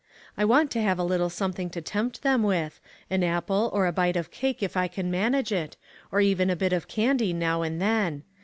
I want to have a little something to tempt them with ; an apple, or a bite of cake if I can manage it, or even a bit of candy now and then.